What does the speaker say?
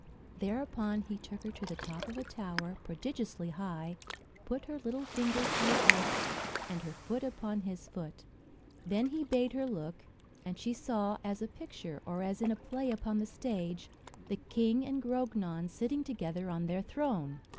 Thereupon he took her to the top of a tower, prodigiously high, put her little finger to his lips, and her foot upon his foot. Then he bade her look, and she saw as hi a picture, or as in a play upon the stage, the King and Grognon sitting together on their throne.